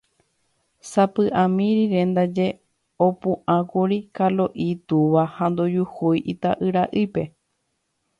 Sapy'ami rire ndaje opu'ãkuri Kalo'i túva ha ndojuhúi ita'yra'ípe.